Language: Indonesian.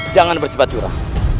jangan bercepat curah